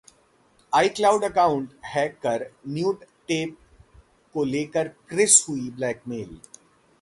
iCloud account hack कर nude tape को लेकर क्रिस हुई ब्लैकमेल